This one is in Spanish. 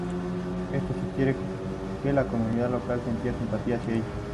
Esto sugiere que la comunidad local sentía simpatía hacia ella.